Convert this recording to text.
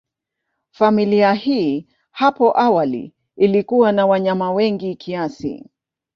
Familia hii hapo awali ilikuwa na wanyama wengi kiasi.